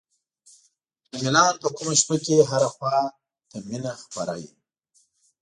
د میلان په ګرمه شپه کې هره خوا ته مینه خپره وي.